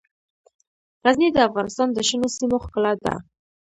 غزني د افغانستان د شنو سیمو ښکلا ده.